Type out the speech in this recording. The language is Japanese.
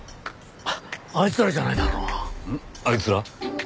あいつら？